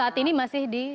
saat ini masih di